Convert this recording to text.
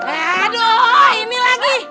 aduh ini lagi